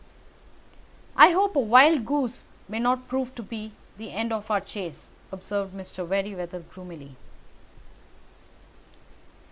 "I hope a wild goose may not prove to be the end of our chase," observed Mr. Merryweather gloomily.